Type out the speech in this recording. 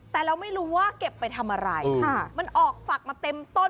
แต่เราไม่รู้ว่าเก็บไปทำอะไรค่ะมันออกฝักมาเต็มต้น